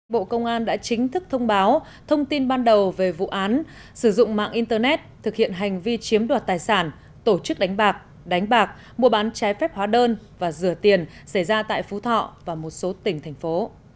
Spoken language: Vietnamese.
bộ công an đã chính thức thông báo thông tin ban đầu về vụ án sử dụng mạng internet thực hiện hành vi chiếm đoạt tài sản tổ chức đánh bạc đánh bạc mua bán trái phép hóa đơn và rửa tiền xảy ra tại phú thọ và một số tỉnh thành phố